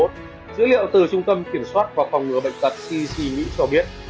dữ liệu từ trung tâm kiểm soát và phòng ngừa bệnh tật cdc mỹ cho biết